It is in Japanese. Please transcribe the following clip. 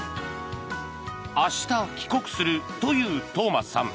明日、帰国するというトーマスさん。